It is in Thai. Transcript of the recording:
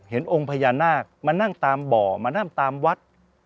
องค์พญานาคมานั่งตามบ่อมานั่งตามวัด